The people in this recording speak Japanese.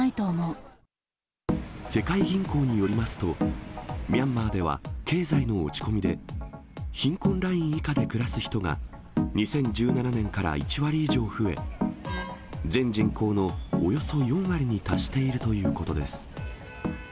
世界銀行によりますと、ミャンマーでは経済の落ち込みで、貧困ライン以下で暮らす人が、２０１７年から１割以上増え、全人口のおよそ４割に達しているということです。